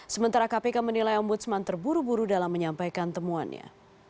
sementara kpk menilai ombudsman terburu buru dalam menyampaikan temuannya